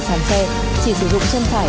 bàn xe chỉ sử dụng chân thải